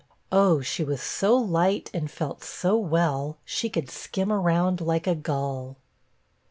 Oh! she was so light, and felt so well, she could 'skim around like a gull.'